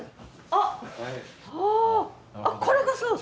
あっこれがそう？